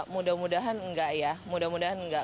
mudah mudahan enggak ya mudah mudahan enggak